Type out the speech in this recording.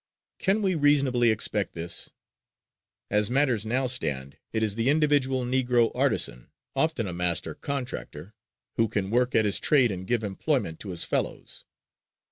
Can we reasonably expect this? As matters now stand, it is the individual Negro artisan, often a master contractor, who can work at his trade and give employment to his fellows.